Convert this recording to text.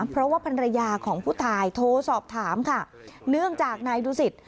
เพราะว่าภรรยาของผู้ตายโทรสอบถามค่ะเนื่องจากนายดูสิต